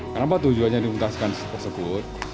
kenapa tujuannya dimutaskan tersebut